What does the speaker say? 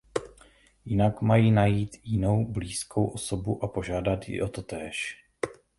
Jinak mají najít jinou blízkou osobu a požádat ji o totéž.